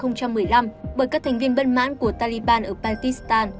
năm hai nghìn một mươi năm bởi các thành viên bất mãn của taliban ở pakistan